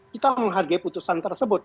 kita menghargai putusan tersebut